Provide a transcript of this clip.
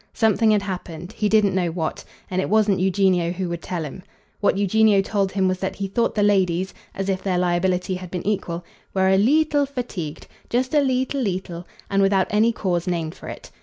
Something had happened he didn't know what; and it wasn't Eugenio who would tell him. What Eugenio told him was that he thought the ladies as if their liability had been equal were a "leetle" fatigued, just a "leetle leetle," and without any cause named for it.